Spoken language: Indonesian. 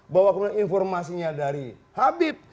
bahwa informasinya dari habib